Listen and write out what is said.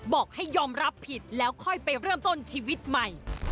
บอกให้ยอมรับผิดแล้วค่อยไปเริ่มต้นชีวิตใหม่